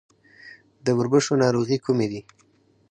د وربشو ناروغۍ کومې دي؟